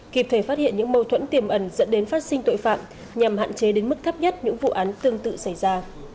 kịp thời phát hiện những mâu thuẫn tiềm ẩn dẫn đến phát sinh tội phạm nhằm hạn chế đến mức thấp nhất những vụ án tương tự xảy ra